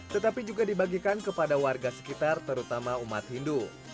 tetapi juga dibagikan kepada warga sekitar terutama umat hindu